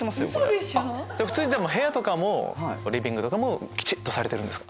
普通に部屋とかもリビングとかもきちっとされてるんですか？